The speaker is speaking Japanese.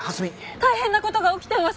大変な事が起きてます！